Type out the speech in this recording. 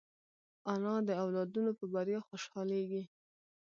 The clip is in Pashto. انا د اولادونو په بریا خوشحالېږي